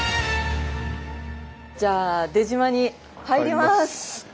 じゃあ出島に入ります。